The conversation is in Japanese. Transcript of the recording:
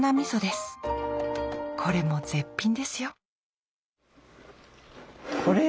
これも絶品ですよ